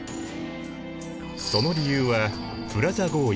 その理由はプラザ合意だ。